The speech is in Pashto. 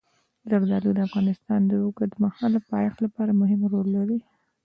زردالو د افغانستان د اوږدمهاله پایښت لپاره مهم رول لري.